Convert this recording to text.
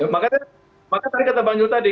makanya tadi kata bang jokowi tadi